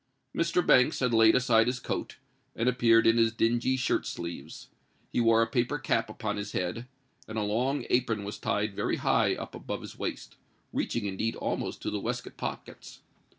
Mr. Banks had laid aside his coat, and appeared in his dingy shirt sleeves: he wore a paper cap upon his head; and a long apron was tied very high up above his waist—reaching, indeed, almost to the waistcoat pockets.